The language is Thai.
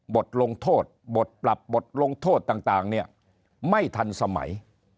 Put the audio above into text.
บทลงโทษบทปรับบทลงโทษต่างเนี่ยไม่ทันสมัย